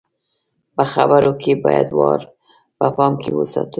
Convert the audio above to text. په خبرو کې بايد وار په پام کې وساتو.